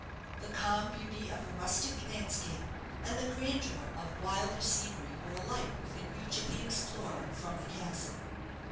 The calm beauty of a rustic landscape, and the grandeur of wilder scenery, were alike within reach of the explorer from the castle.